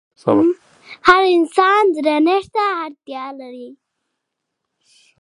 هر انسان درنښت ته اړتيا لري.